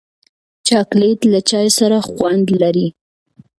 چاکلېټ له چای سره خوند لري.